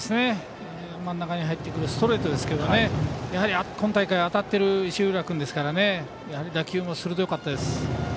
真ん中に入ってくるストレートですが今大会、当たっている石浦君ですから打球も鋭かったです。